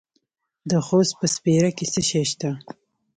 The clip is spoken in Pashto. د خوست په سپیره کې څه شی شته؟